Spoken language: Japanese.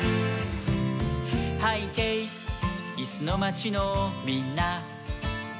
「はいけいいすのまちのみんな」